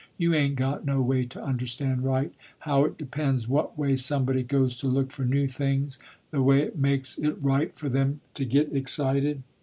You ain't got no way to understand right, how it depends what way somebody goes to look for new things, the way it makes it right for them to get excited."